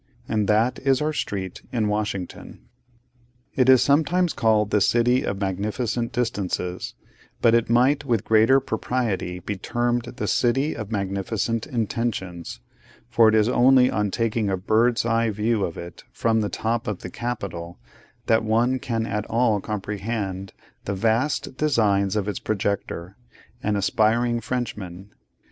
And that is our street in Washington. It is sometimes called the City of Magnificent Distances, but it might with greater propriety be termed the City of Magnificent Intentions; for it is only on taking a bird's eye view of it from the top of the Capitol, that one can at all comprehend the vast designs of its projector, an aspiring Frenchman.